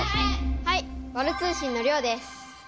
はいワル通信のりょうです。